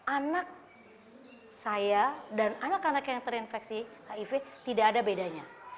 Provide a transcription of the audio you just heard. anak saya dan anak anak yang terinfeksi hiv tidak ada bedanya